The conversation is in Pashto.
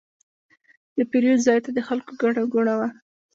د پیرود ځای ته د خلکو ګڼه ګوڼه وه.